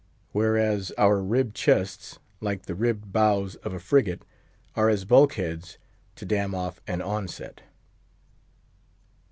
Whereas, our ribbed chests, like the ribbed bows of a frigate, are as bulkheads to dam off an onset.